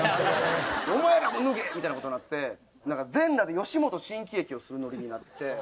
お前らも脱げみたいな事になって全裸で吉本新喜劇をするノリになって。